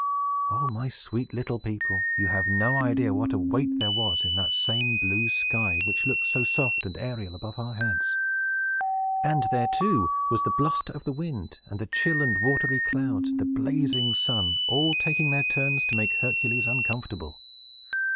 O my sweet little people, you have no idea what a weight there was in that same blue sky, which looks so soft and aerial above our heads! And there, too, was the bluster of the wind, and the chill and watery clouds, and the blazing sun, all taking their turns to make Hercules uncomfortable!